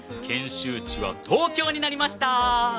研修地は東京になりました！